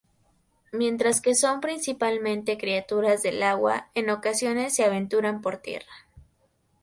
Mientras que son principalmente criaturas del agua, en ocasiones se aventuran por tierra.